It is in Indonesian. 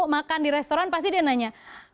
makan di restoran pasti dia nanya